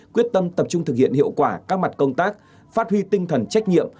quyết tâm tập trung thực hiện hiệu quả các mặt công tác phát huy tinh thần trách nhiệm